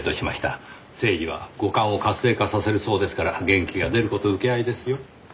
セージは五感を活性化させるそうですから元気が出る事請け合いですよ。